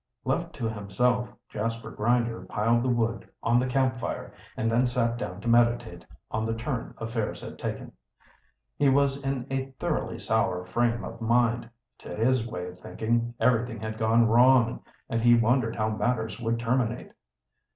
Left to himself, Jasper Grinder piled the wood on the camp fire and then sat down to meditate on the turn affairs had taken. He was in a thoroughly sour frame of mind. To his way of thinking everything had gone wrong, and he wondered how matters would terminate.